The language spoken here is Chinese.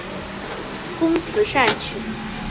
工词善曲。